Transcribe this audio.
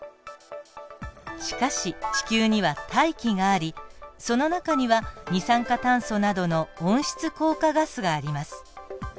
しかし地球には大気がありその中には二酸化炭素などの温室効果ガスがあります。